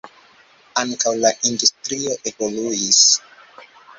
Ankaŭ la industrio evoluis.